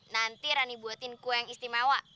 nanti rani buatin kue yang istimewa